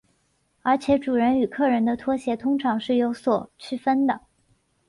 而且主人与客人的拖鞋通常是有所区分的。